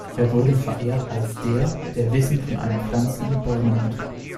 Er wurde verehrt als der, der Wissen von allen Pflanzen und Bäumen hat.